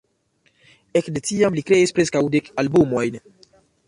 Ekde tiam li kreis preskaŭ dek albumojn.